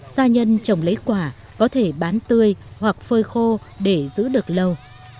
gia nhân trồng lấy quả có thể bán tươi hoặc phơi khô để giữ được lâu